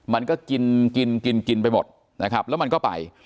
มันก็กินกินกินไปหมดนะครับแล้วมันก็ไป